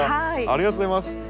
ありがとうございます！